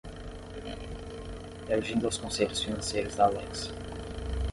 Reagindo aos conselhos financeiros da Alexa